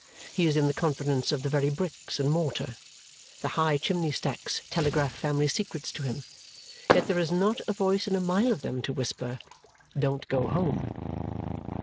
He is in the confidence of the very bricks and mortar. The high chimney stacks telegraph family secrets to him. Yet there is not a voice in a mile of them to whisper, "Don't go home!"